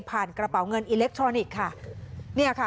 ผ่านกระเป๋าเงินอิเล็กทรอนิกส์ค่ะ